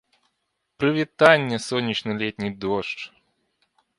Прывітанне, сонечны летні дождж!